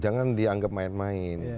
jangan dianggap main main